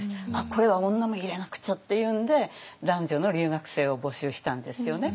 これは女も入れなくちゃっていうんで男女の留学生を募集したんですよね。